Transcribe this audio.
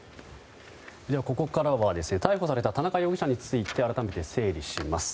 ここからは逮捕された田中容疑者について改めて整理します。